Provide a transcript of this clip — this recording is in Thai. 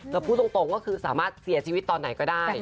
แล้วพูดตรงก็คือสามารถเสียชีวิตตอนไหนก็ได้